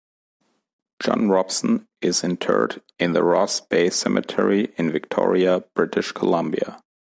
John Robson is interred in the Ross Bay Cemetery in Victoria, British Columbia.